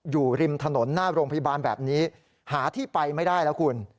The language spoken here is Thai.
อยู่ริมถนนหน้าโรงพยาบาลแบบนี้หาที่ไปไม่ได้แล้วคุณ